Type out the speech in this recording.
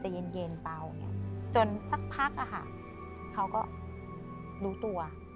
เย็นจนสักพักเขาก็รู้ตัว